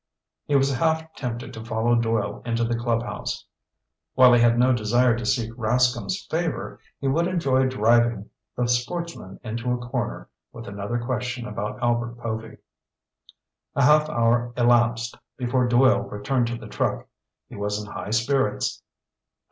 He was half tempted to follow Doyle into the clubhouse. While he had no desire to seek Rascomb's favor, he would enjoy driving the sportsman into a corner with another question about Albert Povy. A half hour elapsed before Doyle returned to the truck. He was in high spirits.